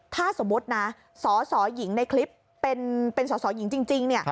ถ้าสมมุตินะสสหญิงในคลิปเป็นสอสอหญิงจริง